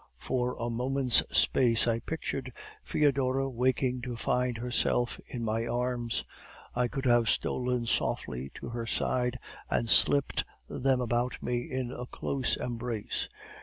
For a moment's space I pictured Foedora waking to find herself in my arms. I could have stolen softly to her side and slipped them about her in a close embrace.